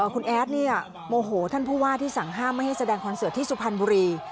คุณแอดเนี่ยโมโหท่านผู้ว่าที่สั่งห้ามไม่ให้แสดงคอนเสิร์ตที่สุพรรณบุรี